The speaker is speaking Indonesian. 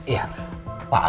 iya pak a